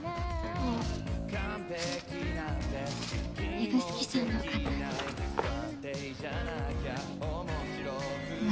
指宿さんのかな。